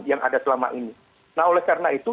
yang ada selama ini nah oleh karena itu